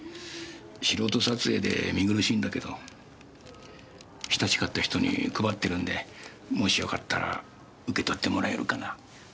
素人撮影で見苦しいんだけど親しかった人に配ってるんでもしよかったら受け取ってもらえるかな。